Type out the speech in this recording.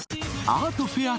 アートフェア